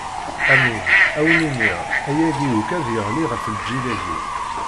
Amin, ad wen-iniɣ: ayagi akk ad d-iɣli ɣef lǧil-agi.